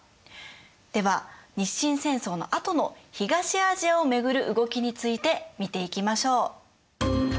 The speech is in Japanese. では日清戦争のあとの東アジアを巡る動きについて見ていきましょう。